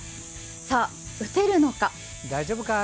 さあ、打てるのか？